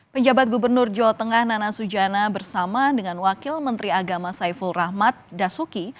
penjabat gubernur jawa tengah nana sujana bersama dengan wakil menteri agama saiful rahmat dasuki